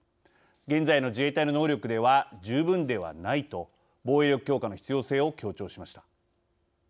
現在の自衛隊の能力では十分ではない」と防衛力強化の必要性を強調しました。